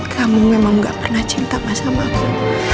kamu memang gak pernah cinta sama aku